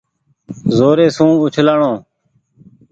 زوري سون اُڇلآڻو۔